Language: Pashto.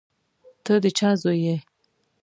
ته د چا زوی یې.